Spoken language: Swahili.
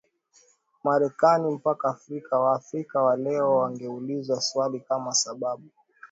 Marekani mpaka Afrika Waafrika wa leo wangeuliza swali kama sababu